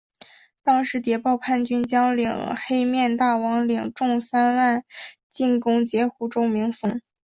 当时谍报叛军将领黑面大王领众三万进攻截取周明松。